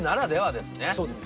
そうですね。